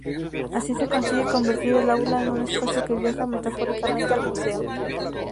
Así, se consigue convertir el aula en un espacio que viaja, metafóricamente, al museo.